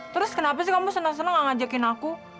terus kenapa sih kamu senang senang gak ngajakin aku